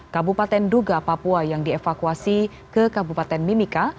kabupaten duga papua yang dievakuasi ke kabupaten mimika